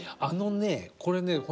あのねこれね